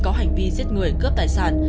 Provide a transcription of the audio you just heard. có hành vi giết người cướp tài sản